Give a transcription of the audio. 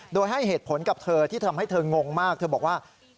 โดยให้เหตุผลกับเธอที่ทำให้เธองงมากเธอบอกว่า